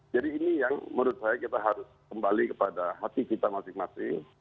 jadi ini yang menurut saya kita harus kembali kepada hati kita masing masing